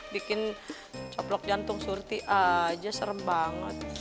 bikin coplok jantung surti aja serem banget